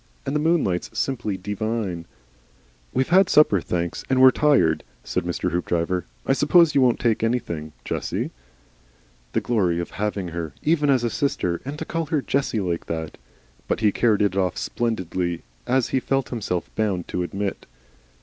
And the moonlight's simply dee vine." "We've had supper, thenks, and we're tired," said Mr. Hoopdriver. "I suppose you won't take anything, Jessie?" The glory of having her, even as a sister! and to call her Jessie like that! But he carried it off splendidly, as he felt himself bound to admit.